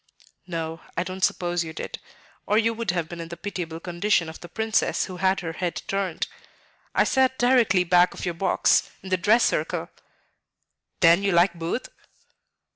"No, I don't suppose you did, or you would have been in the pitiable condition of the princess who had her head turned. I sat directly back of your box, in the dress circle. Then you like Booth?"